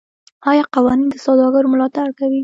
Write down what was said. آیا قوانین د سوداګرو ملاتړ کوي؟